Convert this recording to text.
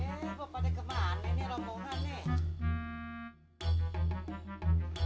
eh bapak nya ke mana nih rombongan nih